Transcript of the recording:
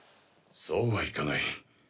そうはいかない。